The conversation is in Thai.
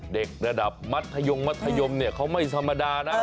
เด็กระดับมัธยมเขาไม่สัมมดานะ